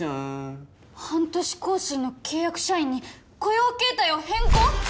半年更新の契約社員に雇用形態を変更？